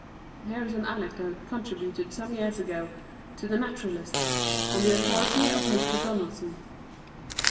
Here is an anecdote contributed some years ago to the Naturalist, on the authority of Mr. Donaldson.